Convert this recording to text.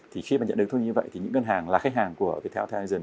thì khi mà nhận được thông tin như vậy thì những ngân hàng là khách hàng của viettel